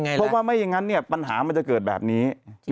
เพราะว่าไม่อย่างนั้นปัญหามันจะเกิดแบบนี้